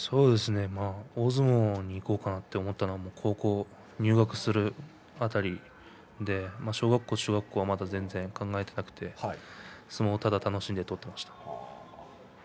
大相撲に行こうかなと思ったのは高校に入学する辺りで小学校、中学校はまだ全然考えていなくて相撲をただ楽しんで取っていました。